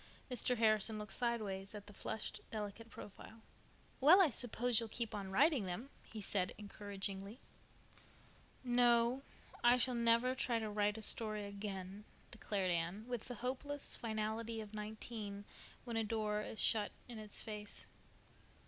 Mr. Harrison looked sidewise at the flushed, delicate profile. "Well, I suppose you'll keep on writing them," he said encouragingly. "No, I shall never try to write a story again," declared Anne, with the hopeless finality of nineteen when a door is shut in its face.